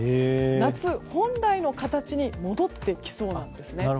夏本来の形に戻ってきそうなんですね。